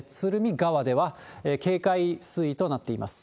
川では警戒水位となっています。